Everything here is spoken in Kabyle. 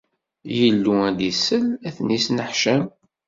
Illu ad d-isel, ad ten-isneḥcam.